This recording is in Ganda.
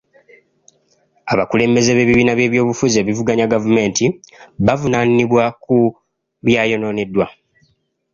Abakulembeze b'ebibiina by'ebyobufuzi ebivuganya gavumenti bavunaanibwa ku byayonooneddwa.